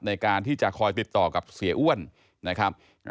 ในการที่จะคอยติดต่อกับเสียอ้วนนะครับ